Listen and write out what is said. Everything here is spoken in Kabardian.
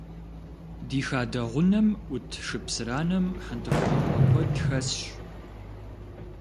Ди хадэ гъунэм Ӏут шыпсыранэм хьэндыркъуакъуэ куэд хэсщ.